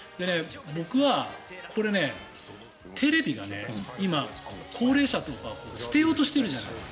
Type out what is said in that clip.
僕はテレビが今、高齢者とか捨てようとしてるじゃない。